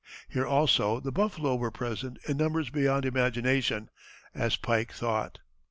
Here also the buffalo were present in numbers beyond imagination, as Pike thought.